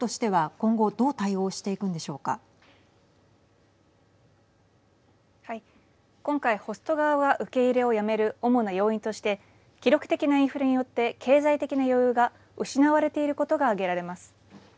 今回ホスト側が受け入れをやめる主な要因として記録的なインフレによって経済的な余裕が失われていることが挙げられます。